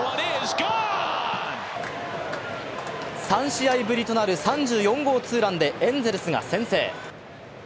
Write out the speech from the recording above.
３試合ぶりとなる３４号ツーランでエンゼルスが先制。